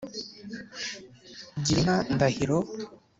gira inka ndahiro